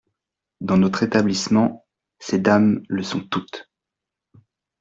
Dans notre établissement, ces dames le sont toutes.